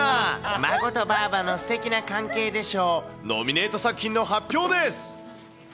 孫とばあばのステキな関係で賞ノミネート作品の発表です。